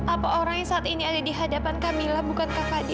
apa orang yang saat ini ada di hadapan kamila bukan kak fadil